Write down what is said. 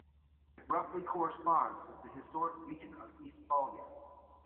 It roughly corresponds with the historic region of Eastphalia.